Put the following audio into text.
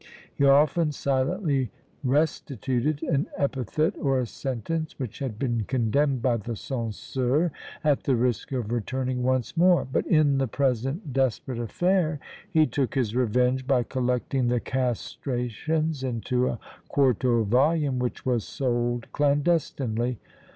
He often silently restituted an epithet or a sentence which had been condemned by the censeur, at the risk of returning once more; but in the present desperate affair he took his revenge by collecting the castrations into a quarto volume, which was sold clandestinely.